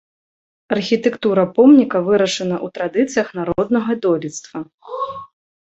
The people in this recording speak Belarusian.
Архітэктура помніка вырашана ў традыцыях народнага дойлідства.